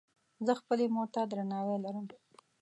زۀ خپلې مور ته درناوی لرم.